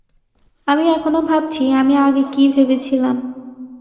আমি এখনো ভাবছি আমি আগে কি ভেবেছিলাম।